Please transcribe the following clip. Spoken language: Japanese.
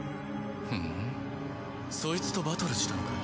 ふんソイツとバトルしたのかい？